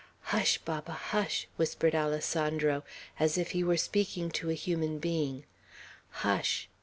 "Hush! hush! Baba," whispered Alessandro, as if he were speaking to a human being. "Hush!"